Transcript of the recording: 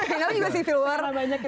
enggak pun juga civil war